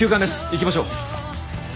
行きましょう！